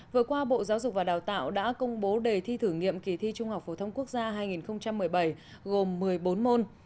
vừa qua bộ giáo dục và đào tạo đã công bố đề thi thử nghiệm kỳ thi trung học phổ thông quốc gia hai nghìn một mươi bảy gồm một mươi bốn môn